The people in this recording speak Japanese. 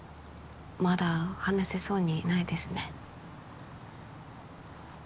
まだ話せそうにないですね